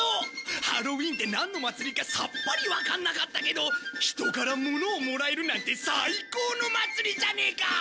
ハロウィンってなんの祭りかさっぱりわかんなかったけど人から物をもらえるなんて最高の祭りじゃねえか！